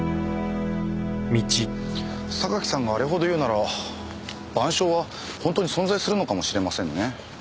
榊さんがあれほど言うなら『晩鐘』は本当に存在するのかもしれませんね。